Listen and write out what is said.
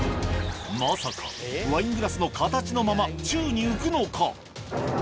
まさかワイングラスの形のまま宙に浮くのか？